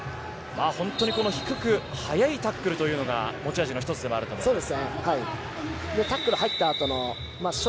本当に低く速いタックルというのが持ち味の１つでもあると思います。